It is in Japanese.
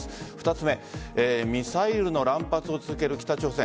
２つ目ミサイルの乱発を続ける北朝鮮。